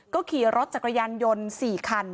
ก็ขี่รถจักรยานยนต์๔คัน